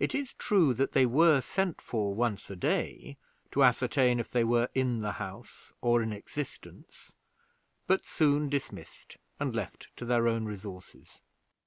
It is true that they were sent for once a day, to ascertain if they were in the house, or in existence, but soon dismissed and left to their own resources.